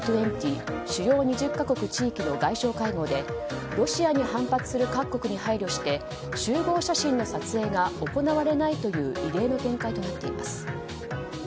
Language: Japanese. ・主要２０か国地域の外相会合でロシアに反発する各国に配慮して集合写真の撮影が行われないという異例の展開となっています。